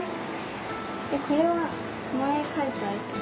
これは前描いた絵？